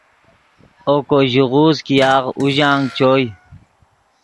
اوکو ژیغوز ګیاغ اوژانگ چوئے